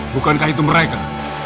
bukankah itu mereka